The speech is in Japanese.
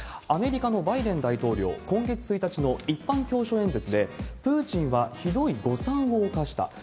アメリカのバイデン大統領、今月１日の一般教書演説で、プーチンはひどい誤算を犯した。